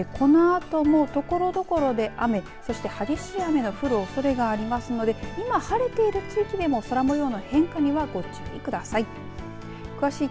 このあとも、ところどころで雨そして、激しい雨の降るおそれがありますので今晴れてる地域でも空もようの変化にはご注意ください。